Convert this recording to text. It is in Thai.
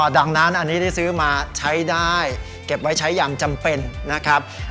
ดังนั้นอันนี้ได้ซื้อมาใช้ได้เก็บไว้ใช้อย่างจำเป็นนะครับ